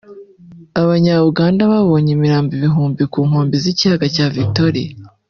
“Abanya-Uganda babonye imirambo ibihumbi ku nkombe z’Ikiyaga cya Victoria